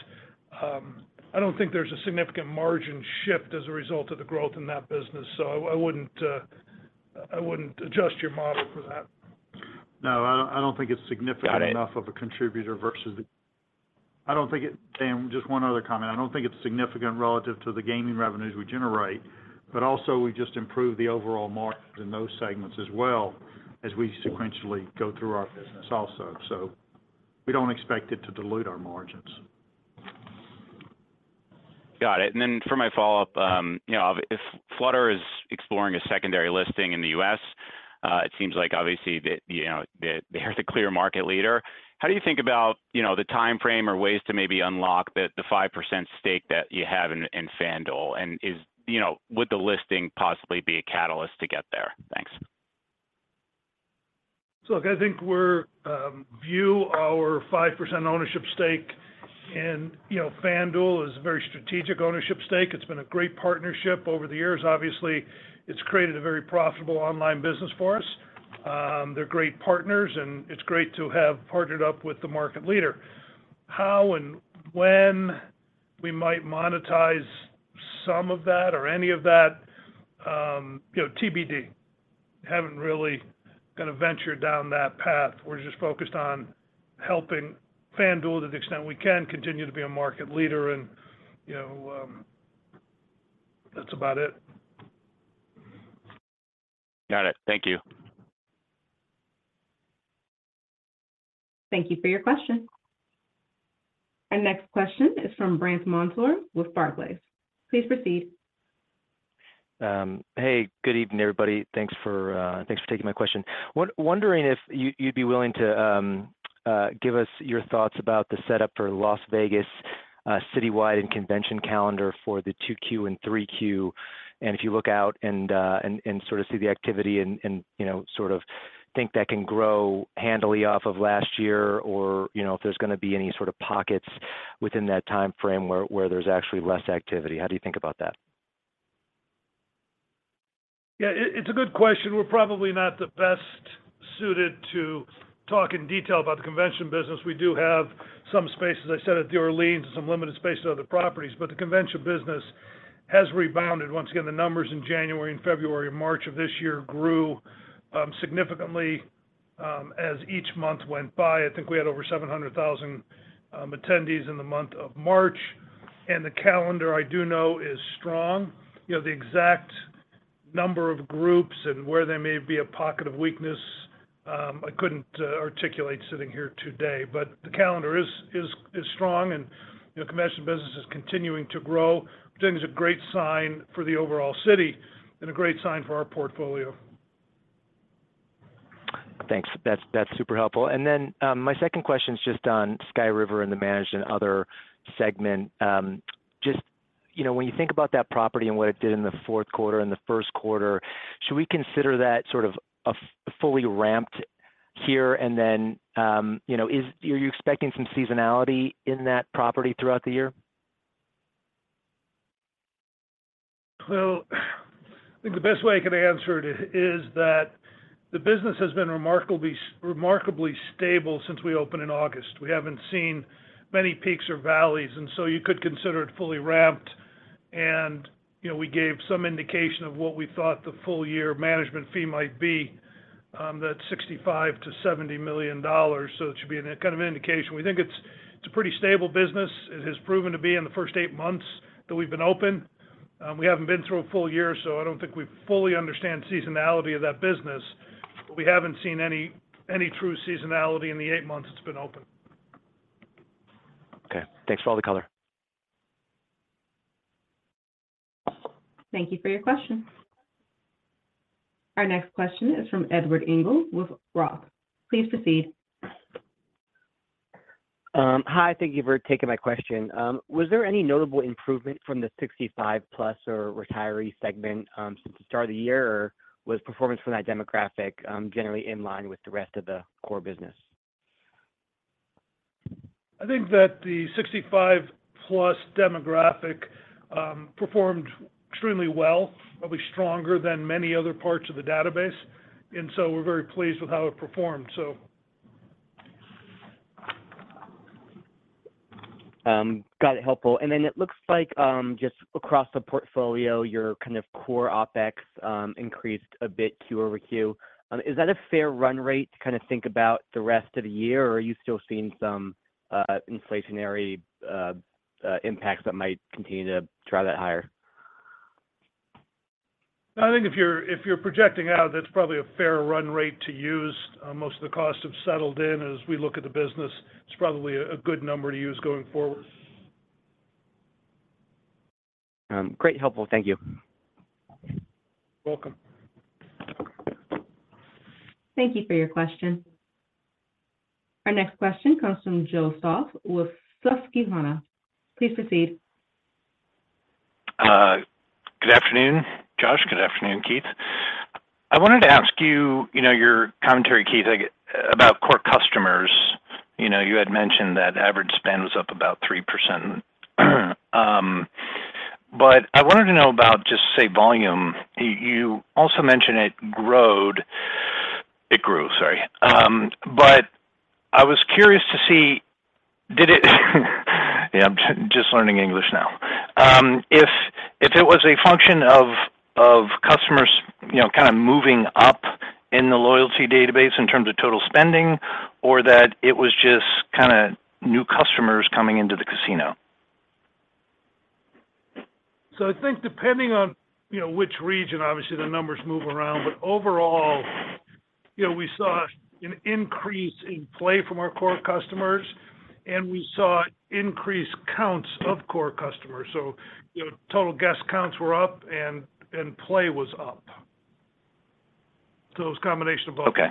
[SPEAKER 3] I don't think there's a significant margin shift as a result of the growth in that business. I wouldn't adjust your model for that.
[SPEAKER 2] No, I don't think it's significant—
[SPEAKER 10] Got it.
[SPEAKER 11] — enough of a contributor versus. Dan, just one other comment. I don't think it's significant relative to the gaming revenues we generate, but also, we just improved the overall margins in those segments as well as we sequentially go through our business also. We don't expect it to dilute our margins.
[SPEAKER 10] Got it. Then for my follow-up, you know, if Flutter is exploring a secondary listing in the U.S., it seems like obviously the, you know, the, they're the clear market leader. How do you think about, you know, the timeframe or ways to maybe unlock the 5% stake that you have in FanDuel? You know, would the listing possibly be a catalyst to get there? Thanks.
[SPEAKER 3] Look, I think we're view our 5% ownership stake in, you know, FanDuel as a very strategic ownership stake. It's been a great partnership over the years. Obviously, it's created a very profitable Online business for us. They're great partners, and it's great to have partnered up with the market leader. How and when we might monetize some of that or any of that, you know, TBD. Haven't really kind of ventured down that path. We're just focused on helping FanDuel to the extent we can continue to be a market leader and, you know, that's about it.
[SPEAKER 10] Got it. Thank you.
[SPEAKER 1] Thank you for your question. Our next question is from Brandt Montour with Barclays. Please proceed.
[SPEAKER 12] Hey, good evening, everybody. Thanks for taking my question. Wondering if you'd be willing to give us your thoughts about the setup for Las Vegas citywide and convention calendar for the 2Q and 3Q. If you look out and sort of see the activity and, you know, sort of think that can grow handily off of last year or, you know, if there's gonna be any sort of pockets within that timeframe where there's actually less activity. How do you think about that?
[SPEAKER 3] Yeah, it's a good question. We're probably not the best suited to talk in detail about the convention business. We do have some space, as I said, at The Orleans and some limited space at other properties, but the convention business has rebounded. Once again, the numbers in January and February and March of this year grew significantly as each month went by. I think we had over 700,000 attendees in the month of March, and the calendar I do know is strong. You know, the exact number of groups and where there may be a pocket of weakness, I couldn't articulate sitting here today. The calendar is strong and, you know, convention business is continuing to grow, which I think is a great sign for the overall city and a great sign for our portfolio.
[SPEAKER 12] Thanks. That's, that's super helpful. My second question is just on Sky River and the Managed and Other segment. Just, you know, when you think about that property and what it did in the fourth quarter and the first quarter, should we consider that sort of a fully ramped here? You know, are you expecting some seasonality in that property throughout the year?
[SPEAKER 3] I think the best way I can answer it is that the business has been remarkably stable since we opened in August. We haven't seen many peaks or valleys, you could consider it fully ramped. You know, we gave some indication of what we thought the full year management fee might be, that's $65 million-$70 million. It should be an, a kind of indication. We think it's a pretty stable business. It has proven to be in the first eight months that we've been open. We haven't been through a full year, so I don't think we fully understand seasonality of that business, but we haven't seen any true seasonality in the eight months it's been open.
[SPEAKER 12] Okay. Thanks for all the color.
[SPEAKER 1] Thank you for your question. Our next question is from Edward Engel with Roth. Please proceed.
[SPEAKER 13] Hi, thank you for taking my question. Was there any notable improvement from the 65 plus or retiree segment, since the start of the year, or was performance from that demographic, generally in line with the rest of the core business?
[SPEAKER 3] I think that the 65+ demographic performed extremely well, probably stronger than many other parts of the database. We're very pleased with how it performed, so.
[SPEAKER 13] Got it. Helpful. It looks like, just across the portfolio, your kind of core OpEx increased a bit Q over Q. Is that a fair run rate to kind of think about the rest of the year, or are you still seeing some inflationary impacts that might continue to drive that higher?
[SPEAKER 3] No, I think if you're, if you're projecting out, that's probably a fair run rate to use. Most of the costs have settled in as we look at the business. It's probably a good number to use going forward.
[SPEAKER 13] Great. Helpful. Thank you.
[SPEAKER 3] You're welcome.
[SPEAKER 1] Thank you for your question. Our next question comes from Joe Stauff with Susquehanna. Please proceed.
[SPEAKER 14] Good afternoon, Josh. Good afternoon, Keith. I wanted to ask you know, your commentary, Keith, about core customers. You know, you had mentioned that average spend was up about 3%. I wanted to know about just, say, volume. You also mentioned it grew, sorry. I was curious to see, did it yeah. If it was a function of customers, you know, kind of moving up in the loyalty database in terms of total spending or that it was just kind of new customers coming into the casino.
[SPEAKER 3] I think depending on, you know, which region, obviously the numbers move around. Overall, you know, we saw an increase in play from our core customers, and we saw increased counts of core customers. You know, total guest counts were up and play was up. It was a combination of both.
[SPEAKER 14] Okay.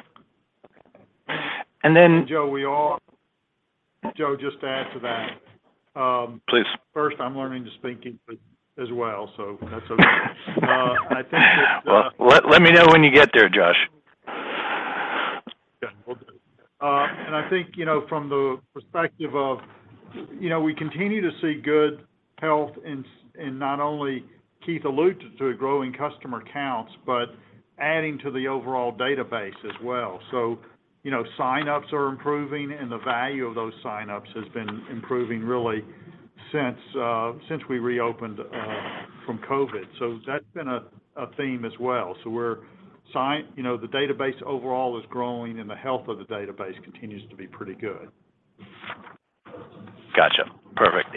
[SPEAKER 2] Joe, just to add to that.
[SPEAKER 14] Please.
[SPEAKER 2] First, I'm learning to speak English as well, so that's okay. I think that.
[SPEAKER 14] Well, let me know when you get there, Josh.
[SPEAKER 2] Will do. I think, you know, from the perspective of, you know, we continue to see good health in not only Keith alluded to growing customer counts, but adding to the overall database as well. You know, sign-ups are improving and the value of those sign-ups has been improving really since we reopened from COVID. That's been a theme as well. You know, the database overall is growing and the health of the database continues to be pretty good.
[SPEAKER 14] Gotcha. Perfect.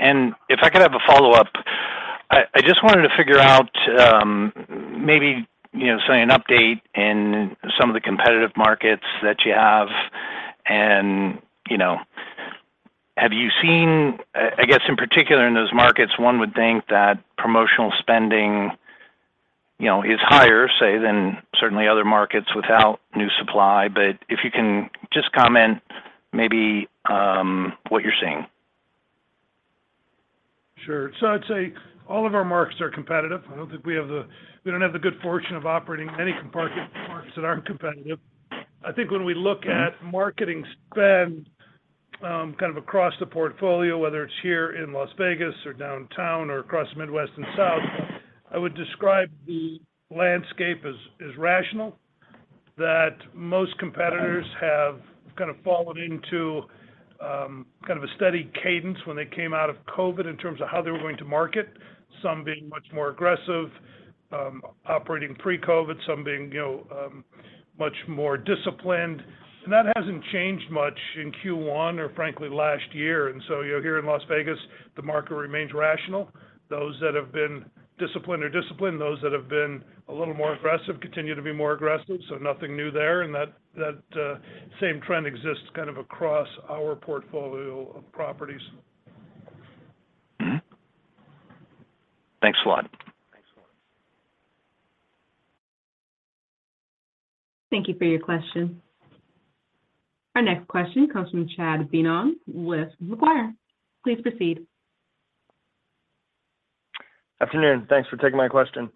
[SPEAKER 14] If I could have a follow-up. I just wanted to figure out, maybe, you know, say, an update in some of the competitive markets that you have and, you know, have you seen, I guess, in particular in those markets, one would think that promotional spending, you know, is higher, say, than certainly other markets without new supply. If you can just comment maybe, what you're seeing.
[SPEAKER 3] I'd say all of our markets are competitive. I don't think we don't have the good fortune of operating many markets that aren't competitive. I think when we look at marketing spend, kind of across the portfolio, whether it's here in Las Vegas or Downtown or across the Midwest & South, I would describe the landscape as rational, that most competitors have kind of fallen into, kind of a steady cadence when they came out of COVID in terms of how they were going to market. Some being much more aggressive, operating pre-COVID, some being, you know, much more disciplined. That hasn't changed much in Q1 or frankly last year. You're here in Las Vegas, the market remains rational. Those that have been disciplined are disciplined. Those that have been a little more aggressive continue to be more aggressive, so nothing new there. That same trend exists kind of across our portfolio of properties.
[SPEAKER 14] Thanks a lot.
[SPEAKER 1] Thank you for your question. Our next question comes from Chad Beynon with Macquarie. Please proceed.
[SPEAKER 15] Afternoon, thanks for taking my question.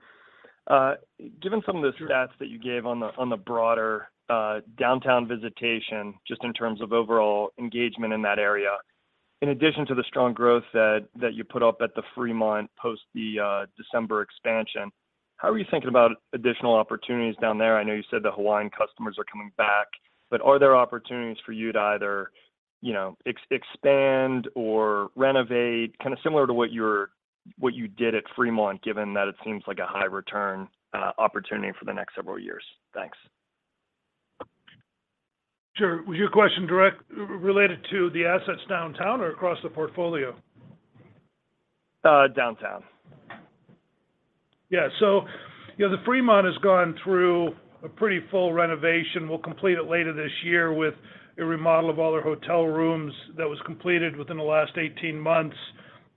[SPEAKER 15] Given some of the stats that you gave on the broader Downtown visitation, just in terms of overall engagement in that area, in addition to the strong growth that you put up at the Fremont post the December expansion, how are you thinking about additional opportunities down there? I know you said the Hawaiian customers are coming back, but are there opportunities for you to either, you know, expand or renovate, kind of similar to what you did at Fremont, given that it seems like a high return opportunity for the next several years? Thanks.
[SPEAKER 3] Sure. Was your question related to the assets Downtown or across the portfolio?
[SPEAKER 15] Downtown.
[SPEAKER 3] So, you know, the Fremont has gone through a pretty full renovation. We'll complete it later this year with a remodel of all their hotel rooms that was completed within the last 18 months,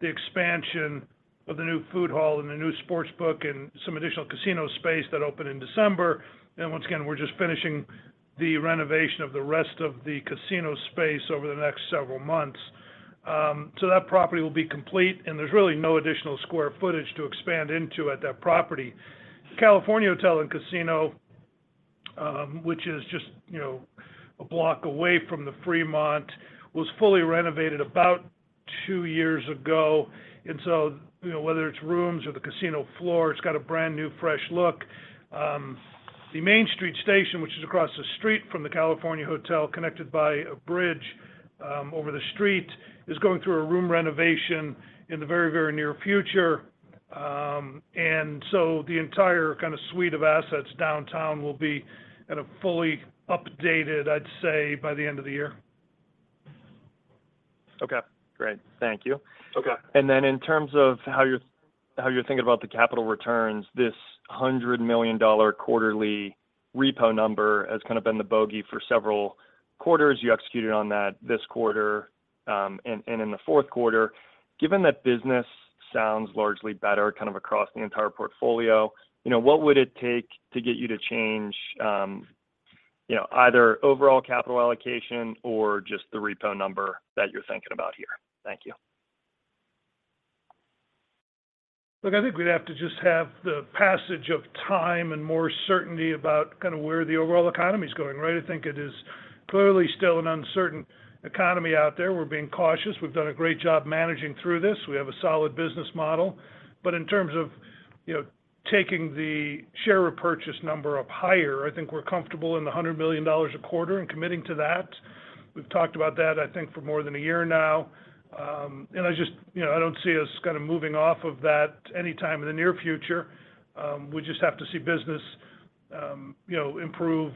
[SPEAKER 3] the expansion of the new food hall and the new sports book, and some additional casino space that opened in December. Once again, we're just finishing the renovation of the rest of the casino space over the next several months. So that property will be complete, and there's really no additional square footage to expand into at that property. California Hotel & Casino, which is just, you know, a block away from the Fremont, was fully renovated about two years ago. So, you know, whether it's rooms or the casino floor, it's got a brand-new fresh look. The Main Street Station, which is across the street from the California Hotel, connected by a bridge, over the street, is going through a room renovation in the very, very near future. The entire kind of suite of assets Downtown will be at a fully updated, I'd say, by the end of the year.
[SPEAKER 15] Okay, great. Thank you.
[SPEAKER 3] Okay.
[SPEAKER 15] In terms of how you're thinking about the capital returns, this $100 million quarterly repo number has kind of been the bogey for several quarters. You executed on that this quarter, and in the fourth quarter. Given that business sounds largely better kind of across the entire portfolio, you know, what would it take to get you to change, you know, either overall capital allocation or just the repo number that you're thinking about here? Thank you.
[SPEAKER 3] Look, I think we'd have to just have the passage of time and more certainty about kind of where the overall economy is going, right? I think it is clearly still an uncertain economy out there. We're being cautious. We've done a great job managing through this. We have a solid business model. In terms of, you know, taking the share repurchase number up higher, I think we're comfortable in the $100 million a quarter and committing to that. We've talked about that, I think, for more than a year now. I just, you know, I don't see us kind of moving off of that anytime in the near future. We just have to see business, you know, improve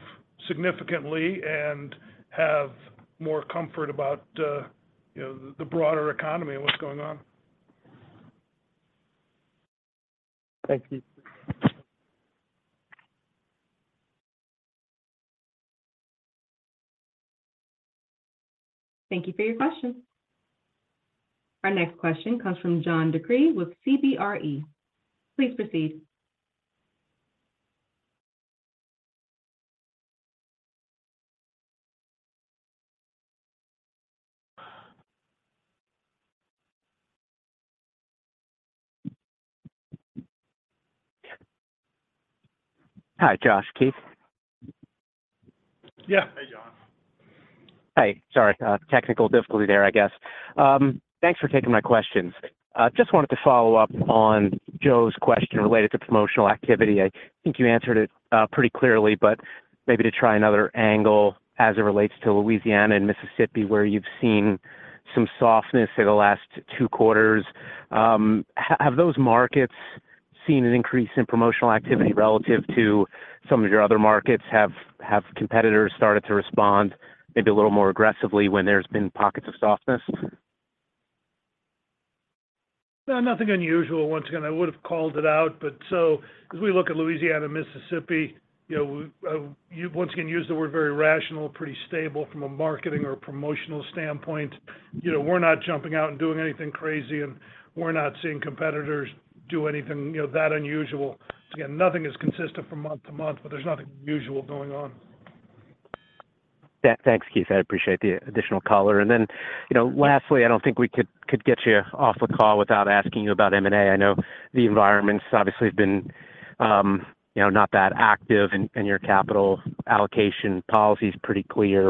[SPEAKER 3] significantly and have more comfort about, you know, the broader economy and what's going on.
[SPEAKER 15] Thank you.
[SPEAKER 1] Thank you for your question. Our next question comes from John DeCree with CBRE. Please proceed.
[SPEAKER 16] Hi, Josh, Keith.
[SPEAKER 3] Yeah.
[SPEAKER 2] Hey, John.
[SPEAKER 16] Hi. Sorry, technical difficulty there, I guess. Thanks for taking my questions. Just wanted to follow up on Joe's question related to promotional activity. I think you answered it pretty clearly, but maybe to try another angle as it relates to Louisiana and Mississippi, where you've seen some softness for the last two quarters. Have those markets seen an increase in promotional activity relative to some of your other markets? Have competitors started to respond maybe a little more aggressively when there's been pockets of softness?
[SPEAKER 3] No, nothing unusual. Once again, I would have called it out. As we look at Louisiana, Mississippi, you know, we, you once can use the word very rational, pretty stable from a marketing or promotional standpoint. You know, we're not jumping out and doing anything crazy, and we're not seeing competitors do anything, you know, that unusual. Again, nothing is consistent from month to month, but there's nothing unusual going on.
[SPEAKER 16] Yeah. Thanks, Keith. I appreciate the additional color. You know, lastly, I don't think we could get you off the call without asking you about M&A. I know the environment's obviously been, you know, not that active and your capital allocation policy is pretty clear.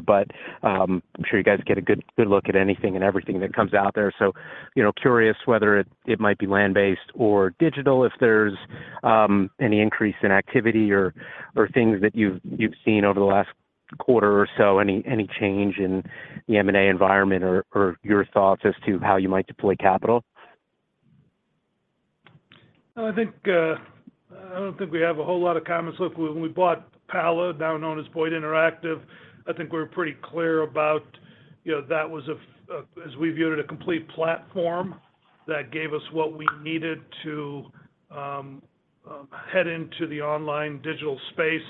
[SPEAKER 16] I'm sure you guys get a good look at anything and everything that comes out there. You know, curious whether it might be land-based or digital, if there's any increase in activity or things that you've seen over the last quarter or so, any change in the M&A environment or your thoughts as to how you might deploy capital.
[SPEAKER 3] I think, I don't think we have a whole lot of comments. Look, when we bought Pala, now known as Boyd Interactive, I think we're pretty clear about, you know, that was a, as we viewed it, a complete platform that gave us what we needed to head into the online digital space.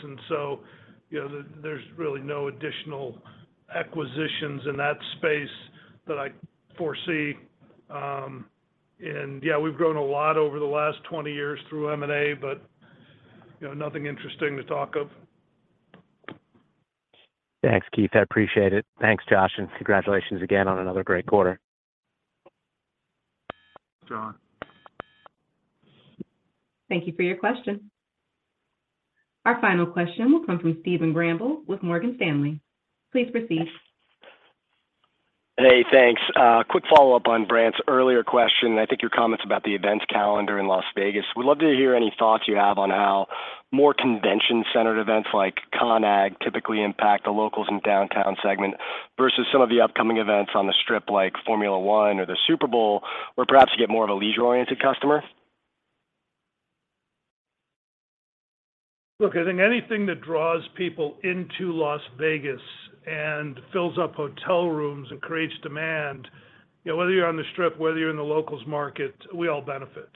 [SPEAKER 3] You know, there's really no additional acquisitions in that space that I foresee. Yeah, we've grown a lot over the last 20 years through M&A, but, you know, nothing interesting to talk of.
[SPEAKER 16] Thanks, Keith. I appreciate it. Thanks, Josh. Congratulations again on another great quarter.
[SPEAKER 3] Thanks, John.
[SPEAKER 1] Thank you for your question. Our final question will come from Stephen Grambling with Morgan Stanley. Please proceed.
[SPEAKER 17] Hey, thanks. Quick follow-up on Brandt's earlier question. I think your comments about the events calendar in Las Vegas. We'd love to hear any thoughts you have on how more convention-centered events like CON/AGG typically impact the Locals and Downtown segment versus some of the upcoming events on the Strip like Formula One or the Super Bowl, where perhaps you get more of a leisure-oriented customer.
[SPEAKER 3] Look, I think anything that draws people into Las Vegas and fills up hotel rooms and creates demand, you know, whether you're on the Strip, whether you're in the locals market, we all benefit.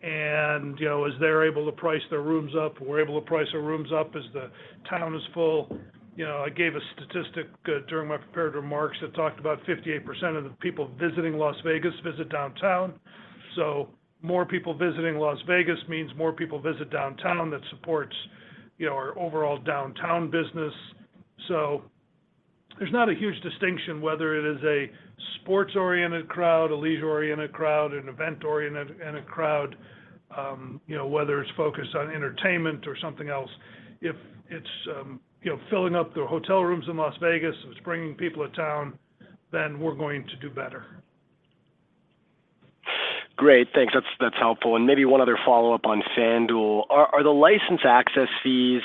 [SPEAKER 3] You know, as they're able to price their rooms up, we're able to price our rooms up as the town is full. You know, I gave a statistic during my prepared remarks that talked about 58% of the people visiting Las Vegas visit Downtown. More people visiting Las Vegas means more people visit Downtown. That supports, you know, our overall Downtown business. There's not a huge distinction whether it is a sports-oriented crowd, a leisure-oriented crowd, an event-oriented crowd, you know, whether it's focused on entertainment or something else. If it's, you know, filling up the hotel rooms in Las Vegas, it's bringing people to town, then we're going to do better.
[SPEAKER 17] Great. Thanks. That's helpful. Maybe one other follow-up on FanDuel. Are the license access fees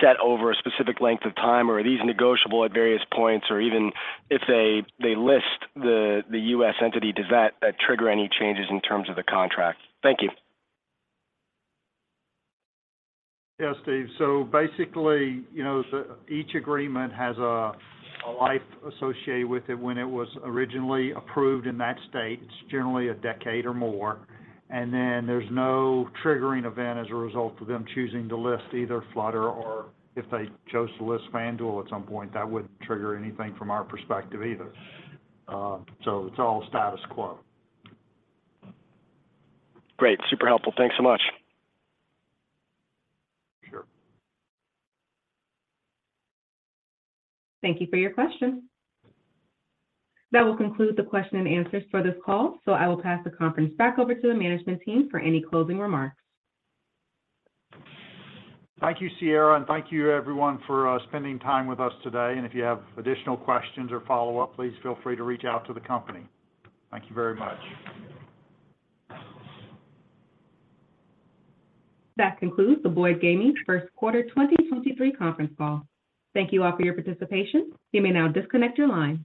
[SPEAKER 17] set over a specific length of time, or are these negotiable at various points? Even if they list the U.S. entity, does that trigger any changes in terms of the contract? Thank you.
[SPEAKER 2] Steve. Basically, you know, each agreement has a life associated with it when it was originally approved in that state. It's generally a decade or more. Then there's no triggering event as a result of them choosing to list either Flutter or if they chose to list FanDuel at some point, that wouldn't trigger anything from our perspective either. It's all status quo.
[SPEAKER 17] Great. Super helpful. Thanks so much.
[SPEAKER 3] Sure.
[SPEAKER 1] Thank you for your question. That will conclude the question and answers for this call. I will pass the conference back over to the management team for any closing remarks.
[SPEAKER 2] Thank you, Sierra, thank you everyone for spending time with us today. If you have additional questions or follow-up, please feel free to reach out to the company. Thank you very much.
[SPEAKER 1] That concludes the Boyd Gaming first quarter 2023 conference call. Thank you all for your participation. You may now disconnect your lines.